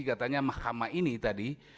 katanya mahkamah ini tadi